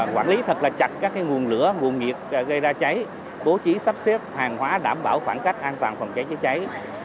quản lý thật là chặt các nguồn lửa nguồn nhiệt gây ra cháy bố trí sắp xếp hàng hóa đảm bảo khoảng cách an toàn phòng cháy chữa cháy